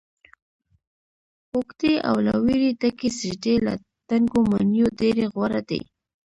اوږدې او له ويرې ډکې سجدې له دنګو ماڼیو ډيرې غوره دي